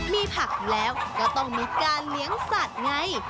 มีผักแล้วก็ต้องมีการเลี้ยงสัตว์ไง